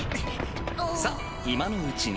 さっ今のうちに。